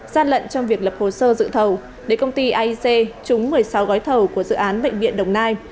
gian lận trong việc lập hồ sơ dự thầu để công ty aic trúng một mươi sáu gói thầu của dự án bệnh viện đồng nai